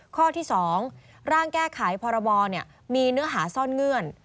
ข้อที่๒ร่างแก้ไขพรบมีเนื้อหาซ่อนเงื่อน